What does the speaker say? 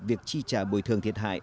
việc chi trả bồi thường thiệt hại